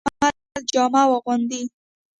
توقعات مو باید د عمل جامه واغوندي